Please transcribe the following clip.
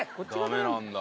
ダメなんだ。